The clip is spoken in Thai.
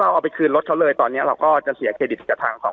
เอาไปคืนรถเขาเลยตอนนี้เราก็จะเสียเครดิตกับทางสอง